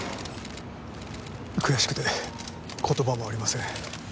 悔しくて言葉もありません。